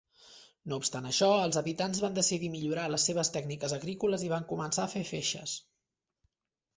No obstant això, els habitants van decidir millorar les seves tècniques agrícoles i van començar a fer feixes.